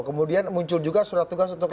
kemudian muncul juga surat tugas untuk